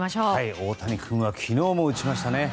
大谷君は昨日も打ちましたね。